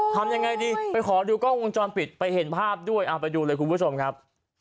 ทำยังไงดีไปขอดูกล้องวงจรปิดไปเห็นภาพด้วยเอาไปดูเลยคุณผู้ชมครับ